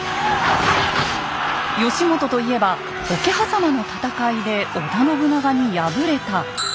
義元と言えば桶狭間の戦いで織田信長に敗れた「ダメ武将」。